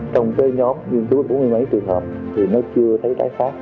trong cái nhóm nghiên cứu bốn mươi mấy trường hợp thì nó chưa thấy trái phát